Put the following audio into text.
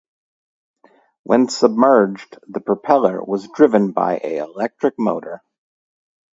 When submerged the propeller was driven by a electric motor.